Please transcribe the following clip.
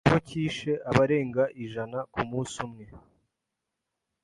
aho cyishe abarenga ijana kumunsi umwe,